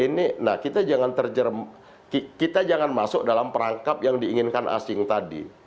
nah kita jangan masuk dalam perangkap yang diinginkan asing tadi